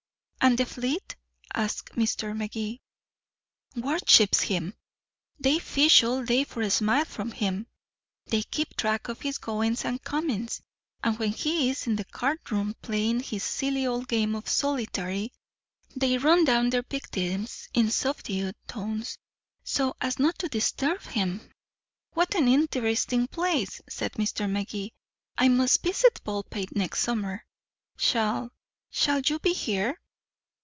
"And the fleet?" asked Mr. Magee. "Worships him. They fish all day for a smile from him. They keep track of his goings and comings, and when he is in the card room playing his silly old game of solitaire, they run down their victims in subdued tones so as not to disturb him." "What an interesting place," said Mr. Magee. "I must visit Baldpate next summer. Shall shall you be here?"